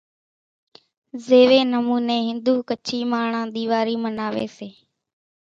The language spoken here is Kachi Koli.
زيوي نموني ھندو ڪڇي ماڻۿان ۮيواري مناوي سي